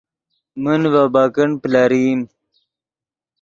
من ڤے بیکنڈ پلرئیم